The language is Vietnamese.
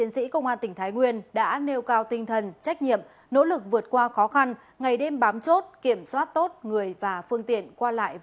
xin chào và hẹn gặp lại